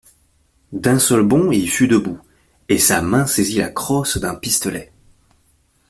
D'un seul bond il fut debout, et sa main saisit la crosse d'un pistolet.